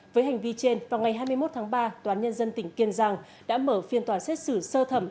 với hành vi trên vào ngày hai mươi một tháng ba toán nhân dân tỉnh kiên giang đã mở phiên toàn xét xử sơ thẩm